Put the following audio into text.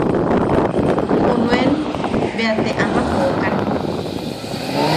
Junuen bea te ama jokan.